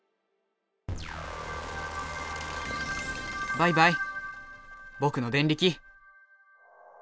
バイバイぼくのデンリキ。